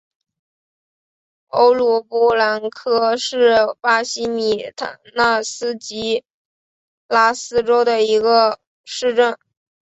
欧鲁布兰科是巴西米纳斯吉拉斯州的一个市镇。